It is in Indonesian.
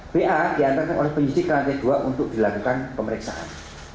va diantarkan oleh penyidik ke lantai dua untuk dilakukan pemeriksaan